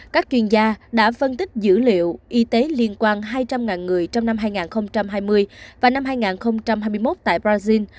các chuyên gia đã phân tích dữ liệu y tế liên quan hai trăm linh người trong năm hai nghìn hai mươi và năm hai nghìn hai mươi một tại brazil